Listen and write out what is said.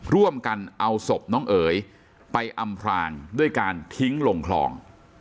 ร่วมกันเอาศพน้องเอ๋ยไปอำพรางด้วยการทิ้งลงคลอง